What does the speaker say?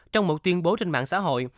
trong một tuyên bố trên mạng xã hội